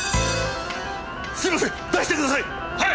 すいません出してください！